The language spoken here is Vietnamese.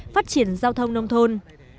phát triển giao thông nông thôn